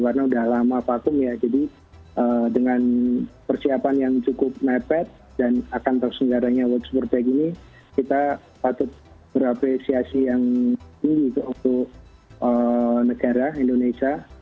karena udah lama vakum ya jadi dengan persiapan yang cukup nepet dan akan terus segaranya world superbike ini kita patut berapresiasi yang tinggi untuk negara indonesia